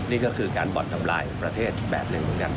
นี่ก็คือการบ่อนทำลายประเทศแบบหนึ่งเหมือนกัน